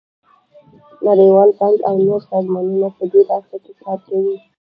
نړیوال بانک او نور سازمانونه په دې برخه کې کار کوي.